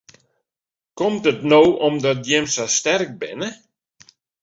Komt it no omdat jim sa sterk binne?